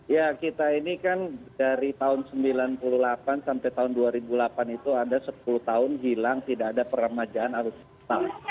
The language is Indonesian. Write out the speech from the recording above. ya kita ini kan dari tahun sembilan puluh delapan sampai tahun dua ribu delapan itu ada sepuluh tahun hilang tidak ada permajaan alutsista